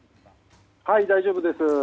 はい、大丈夫です。